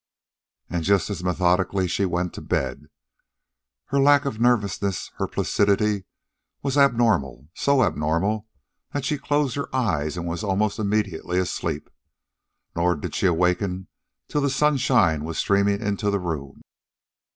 And just as methodically she went to bed. Her lack of nervousness, her placidity, was abnormal, so abnormal that she closed her eyes and was almost immediately asleep. Nor did she awaken till the sunshine was streaming into the room.